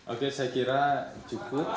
oke saya kira cukup